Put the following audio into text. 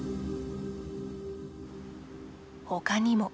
ほかにも。